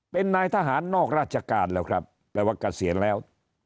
เป็นนายทหารนอกราชการแล้วครับแปลว่าเกษียณแล้ว